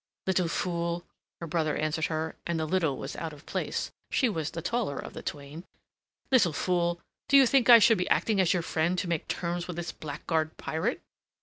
"Little fool," her brother answered her and the "little" was out of place; she was the taller of the twain. "Little fool, do you think I should be acting as your friend to make terms with this blackguard pirate?"